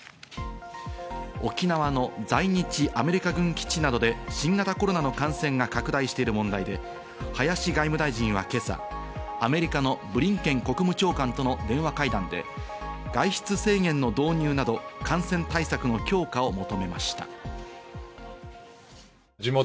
沖縄の在日アメリカ軍基地などで新型コロナの感染が拡大している問題で、林外務大臣は今朝、アメリカのブリンケン国務長官との電話会談で、外出制限の導入など感染対策の強化を求めました。